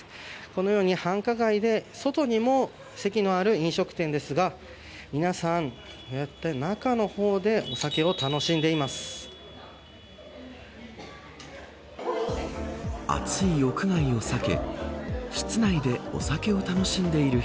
このように繁華街で外にも席のある飲食店ですが皆さん、中の方でお酒を楽しんでいます。